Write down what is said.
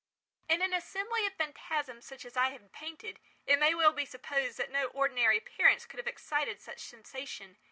In an assembly of phantasms such as I have painted, it may well be supposed that no ordinary appearance could have excited such sensation.